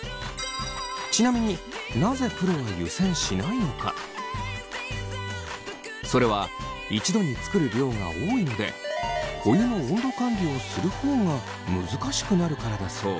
ちなみにそれは一度に作る量が多いのでお湯の温度管理をする方が難しくなるからだそう。